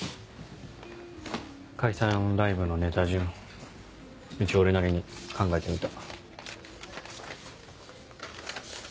解散ライブのネタ順一応俺なりに考えてみた。